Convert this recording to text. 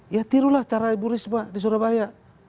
ya tirulah cara ibu risma di surabaya